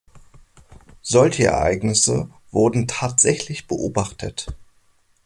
Solche Ereignisse wurden tatsächlich beobachtet.